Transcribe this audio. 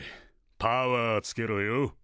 パワーつけろよ。